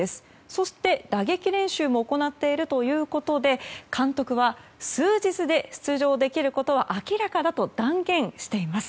そして、打撃練習も行っているということで監督は、数日で出場できることは明らかだと断言しています。